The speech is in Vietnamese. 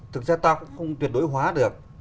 thực ra ta cũng không tuyệt đối hóa được